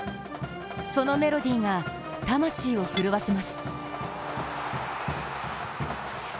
そのメロディーが魂を震わせます。